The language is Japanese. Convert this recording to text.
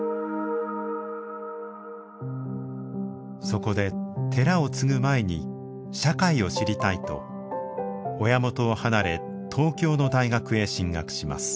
そこで寺を継ぐ前に社会を知りたいと親元を離れ東京の大学へ進学します。